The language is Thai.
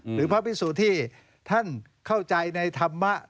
หรือพระพิสุที่ท่านเข้าใจในธรรมะ